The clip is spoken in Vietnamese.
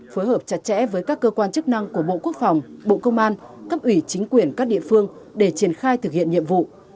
phối hợp chặt chẽ với các cơ quan chức năng của bộ quốc phòng bộ công an cấp ủy chính quyền các địa phương để triển khai thực hiện nhiệm vụ